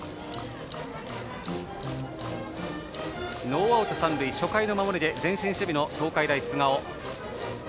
ノーアウト三塁、初回の守りで前進守備の東海大菅生。